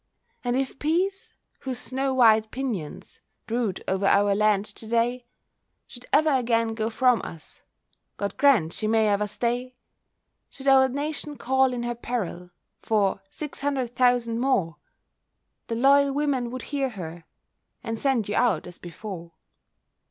And if Peace, whose snow white pinions Brood over our land to day, Should ever again go from us, (God grant she may ever stay!) Should our Nation call in her peril For "Six hundred thousand more," The loyal women would hear her, And send you out as before.